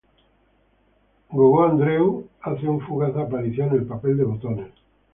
Gogó Andreu hace una fugaz aparición en el papel de botones.